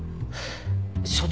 所長